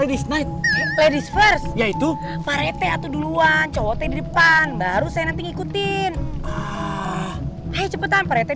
itu itu itu dulu anjot di depan baru saya nanti ngikutin cepetan percaya